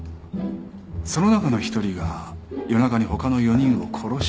その中の１人が夜中に他の４人を殺して逃げた。